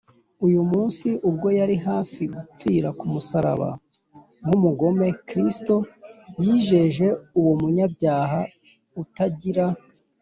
“uyu munsi” ubwo yari hafi gupfira ku musaraba nk’umugome, kristo yijeje uwo munyabyaha utagira